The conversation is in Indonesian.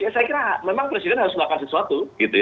saya kira memang presiden harus melakukan sesuatu